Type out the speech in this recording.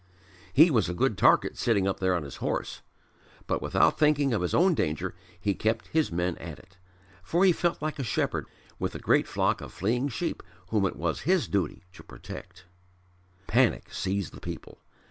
He was a good target sitting up there on his horse; but without thinking of his own danger he kept his men at it. For he felt like a shepherd with a great flock of fleeing sheep whom it was his duty to protect. Panic seized the people.